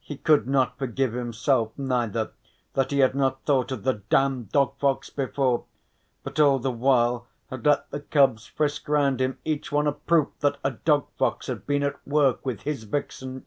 He could not forgive himself neither, that he had not thought of the damned dog fox before, but all the while had let the cubs frisk round him, each one a proof that a dog fox had been at work with his vixen.